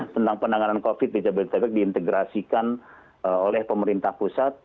tentang penanganan covid di jabodetabek diintegrasikan oleh pemerintah pusat